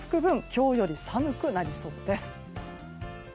今日より寒くなりそうです。